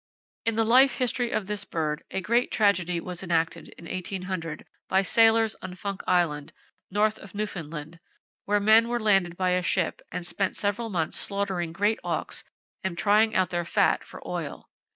In the life history of this bird, a great tragedy was enacted in 1800 by sailors, on Funk Island, north of Newfoundland, where men were landed by a ship, and spent several months slaughtering great auks and trying out their fat for oil.